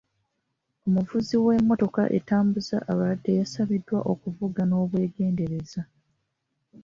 Omuvuzi w'emmotoka etambuza abalwadde yasabibwa okuvuga n'obwegendereza.